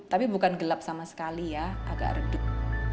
tapi bukan gelap sama sekali ya agak redup